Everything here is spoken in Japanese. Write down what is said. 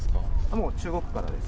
もう中国からです。